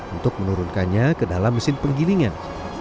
untuk menurunkannya ke dalam mesin penggilingan